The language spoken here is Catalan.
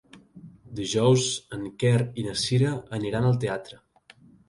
Dijous en Quer i na Cira aniran al teatre.